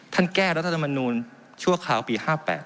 แก้รัฐธรรมนูลชั่วคราวปี๕๘